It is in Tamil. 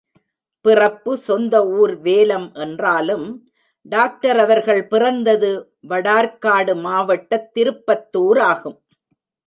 பிறப்பு சொந்த ஊர் வேலம் என்றாலும், டாக்டர் அவர்கள் பிறந்தது வடார்க்காடு மாவட்டத் திருப்பத்துார் ஆகும்.